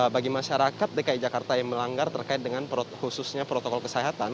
bagi masyarakat dki jakarta yang melanggar terkait dengan khususnya protokol kesehatan